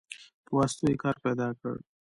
په واسطو يې کار پيدا که.